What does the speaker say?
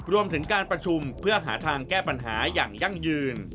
รวมถึงการประชุมเพื่อหาทางแก้ปัญหาอย่างยั่งยืน